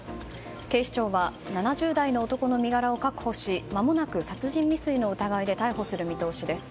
警視庁は７０代の男の身柄を確保し、まもなく殺人未遂の疑いで逮捕する見通しです。